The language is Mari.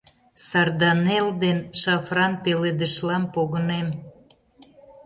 Сарданелл ден шафран пеледышлам погынем.